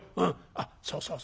あっそうそう